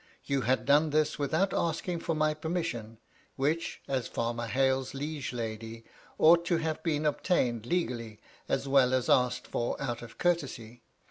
You had done this without asking for my permission, which, as Farmer Hale's liege lady, ought to have been obtained legally, as well as asked for out of courtesy.